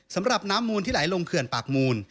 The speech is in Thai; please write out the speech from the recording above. สำหรับน้ำมูลที่ไหลลงเขื่อนปากมูล